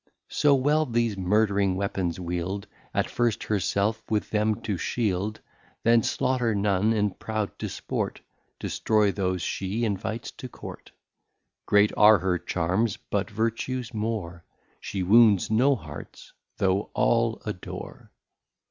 III. So well these Murd'ring Weapons weild, As first Herself with them to shield, Then slaughter none in proud Disport, Destroy those she invites to Court: Great are her Charmes, but Vertue more, She wounds no Hearts, though All adore.